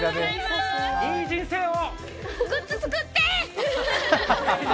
いい人生を！